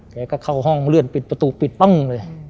แกก็เข้าห้องเลื่อนปิดประตูปิดปั้งเลย